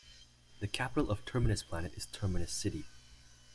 The capital of Terminus Planet is Terminus City.